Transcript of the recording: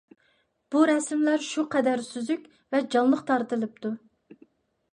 بۇ رەسىملەر شۇ قەدەر سۈزۈك ۋە جانلىق تارتىلىپتۇ.